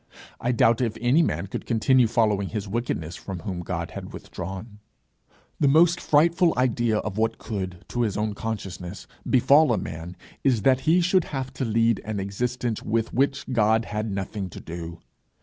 I doubt if any man could continue following his wickedness from whom God had withdrawn. The most frightful idea of what could, to his own consciousness, befall a man, is that he should have to lead an existence with which God had nothing to do.